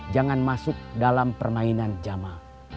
jangan masuk dalam permainan jamal